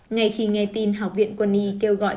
ngay khi nghe tin học viện quân y kêu gọi